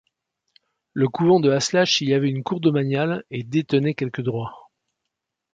Le couvent de Haslach y avait une cour domaniale et détenait quelques droits.